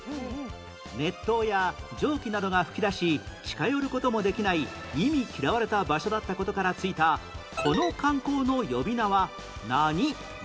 熱湯や蒸気などが噴き出し近寄る事もできない忌み嫌われた場所だった事から付いたこの観光の呼び名は何めぐり？